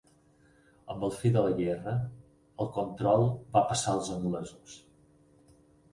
Amb el fi de la guerra el control va passar als anglesos.